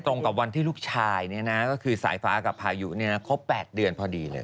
ตรงกับวันที่ลูกชายเนี่ยนะฮะก็คือสายฟ้ากับพายุเนี่ยนะครบ๘เดือนพอดีเลย